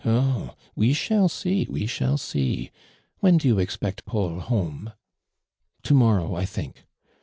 Oh ! we shall see, we shall see. When do you expect Paul home?" " To morrow, I think."